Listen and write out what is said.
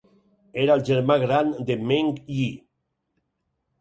Era el germà gran de Meng Yi.